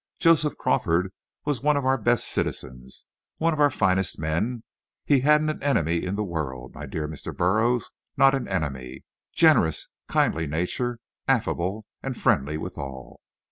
"Joseph Crawford was one of our best citizens, one of our finest men. He hadn't an enemy in the world, my dear Mr. Burroughs not an enemy! generous, kindly nature, affable and friendly with all."